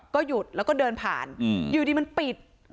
ก็หยุดแล้วก็เดินผ่านอยู่ดีมันปิด